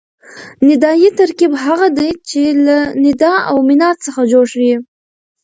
ندایي ترکیب هغه دئ، چي له ندا او منادا څخه جوړ يي.